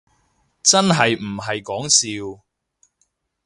真係唔係講笑